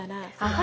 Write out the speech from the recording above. あ！